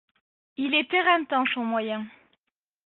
Il est éreintant, son moyen !